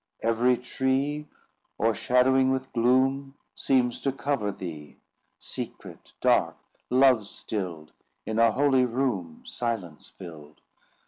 Every tree, O'ershadowing with gloom, Seems to cover thee Secret, dark, love still'd, In a holy room Silence filled.